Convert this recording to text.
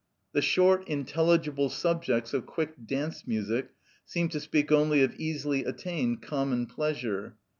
The short intelligible subjects of quick dance music seem to speak only of easily attained common pleasure.